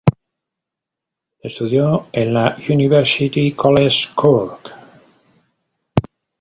Estudió en la University College Cork.